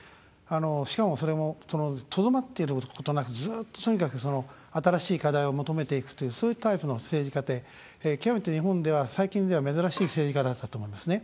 しかも、それもとどまってることなくずっと、とにかく新しい課題を求めていくというそういうタイプの政治家で極めて日本では、最近では珍しい政治家だったと思いますね。